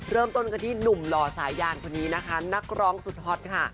เริ่มต้นกันที่หนุ่มหล่อสายยานคนนี้นะคะนักร้องสุดฮอตค่ะ